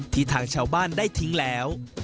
ทางชาวบ้านได้ทิ้งแล้ว